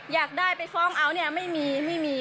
อยากได้ไปฟ้องเอาเนี่ยไม่มีไม่มี